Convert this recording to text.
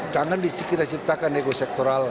kan kan kita ciptakan ekosektoral